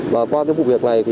và qua cái vụ việc này